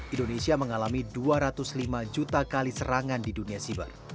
indonesia mengalami dua ratus lima juta kali serangan di dunia siber